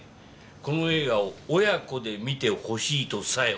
この映画を親子で観てほしいとさえ思ってる。